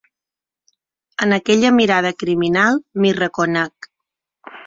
En aquella mirada criminal m'hi reconec.